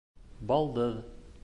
Балдыҙ!